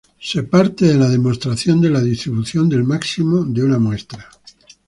Se parte de la demostración de la distribución del máximo de una muestra.